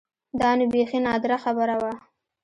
دا نو بيخي نادره خبره وه.